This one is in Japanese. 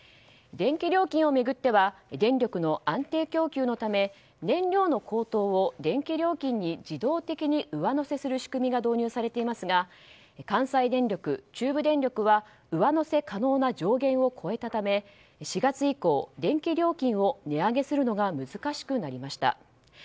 電気料金を巡っては電力の安定供給のため燃料の高騰を電気料金に自動的に上乗せする仕組みが導入されていますが関西電力、中部電力は上乗せ可能な上限を超えたため４月以降、電気料金を値上げするのが難しくなりました。